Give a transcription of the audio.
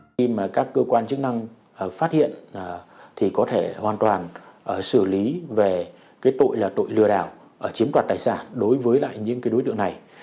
khi các cơ quan chức năng phát hiện thì có thể hoàn toàn xử lý về tội lừa đảo chiếm đoạt tài sản đối với những đối tượng này